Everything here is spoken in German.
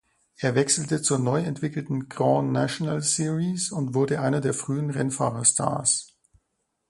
Er wechselte zur neu entwickelten Grand National Series und wurde einer der frühen Rennfahrer-Stars.